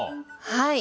はい。